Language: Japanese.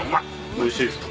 おいしいですか。